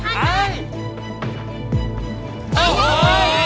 เฮ้ย